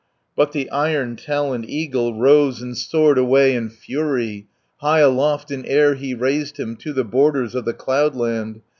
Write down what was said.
But the iron taloned eagle Rose and soared away in fury, High aloft in air he raised him, To the borders of the cloudland.